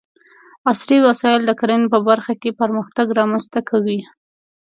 عصري وسايل د کرنې په برخه کې پرمختګ رامنځته کوي.